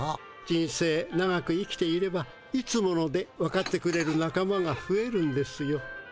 人生長く生きていれば「いつもの」でわかってくれる仲間がふえるんですよ。